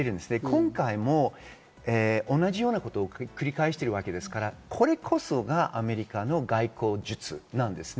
今回も同じようなことを繰り返しているわけですから、これこそがアメリカの外交術なんです。